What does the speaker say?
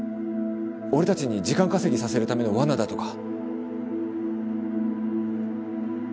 俺たちに時間稼ぎさせるための罠だとか。